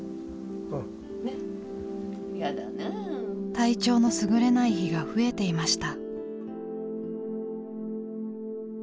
体調のすぐれない日が増えていました。